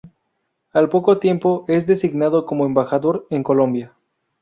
Al poco tiempo es designado como embajador en Colombia.